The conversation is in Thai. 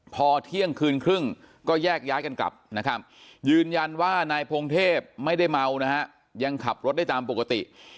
พอเที่ยงคืนครึ่งก็แยกย้ายกันกลับนะครับยืนยันว่านายพงเทพไม่ได้เมานะฮะยังขับรถได้ตามปกติ